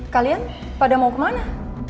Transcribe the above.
kalian pada mau kemana